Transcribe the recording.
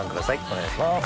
お願いします。